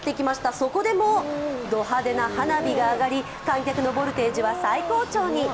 そこでもド派手な花火が上がり、観客のボルテージは最高潮に。